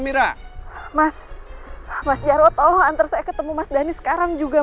mas jaro pasti tau dimana mas dhani tinggal mas tolong anterin saya ketemu sama mas dhani sekarang juga mas